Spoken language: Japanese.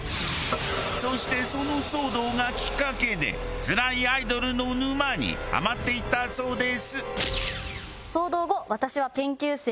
そしてその騒動がきっかけでつらいアイドルの沼にはまっていったそうです。